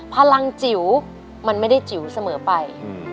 พลังจิ๋วมันไม่ได้จิ๋วเสมอไป